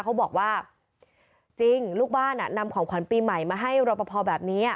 เขาบอกว่าจริงลูกบ้านนำของขวัญปีใหม่มาให้รอปภแบบนี้